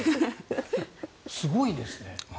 すごいですね。